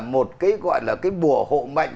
một cái gọi là cái bùa hộ mạnh